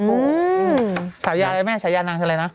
อื้อฉ่ายาแบบไหมฉ่ายานางใช่ไรนะ